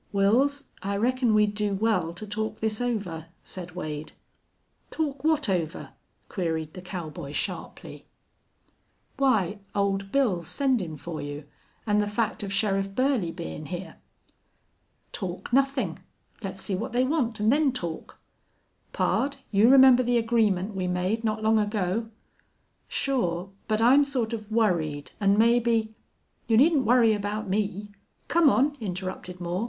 "Wils, I reckon we'd do well to talk this over," said Wade. "Talk what over?" queried the cowboy, sharply. [Illustration: "Jack Belllounds!" she cried. "You put the sheriff on that trail!"] "Why, Old Bill's sendin' for you, an' the fact of Sheriff Burley bein' here." "Talk nothing. Let's see what they want, and then talk. Pard, you remember the agreement we made not long ago?" "Sure. But I'm sort of worried, an' maybe " "You needn't worry about me. Come on," interrupted Moore.